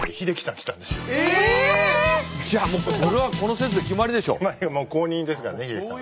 じゃあもうこれはこの説で決まりでしょ。